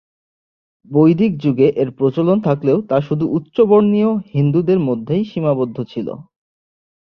বৈদিক যুগে এর প্রচলন থাকলেও তা শুধু উচ্চবর্ণীয় হিন্দুদের মধ্যেই সীমাবদ্ধ ছিলো।